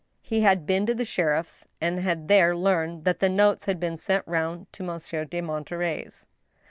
He had been to the sheriff's, and had there learned that the notes had been sent round to Monsieur de Monterey's.